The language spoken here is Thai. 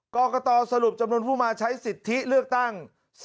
กรกตสรุปจำนวนผู้มาใช้สิทธิเลือกตั้ง